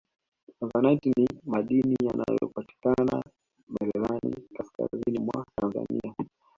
tanzanite ni madini yanayopatikana mererani kaskazini mwa tanzania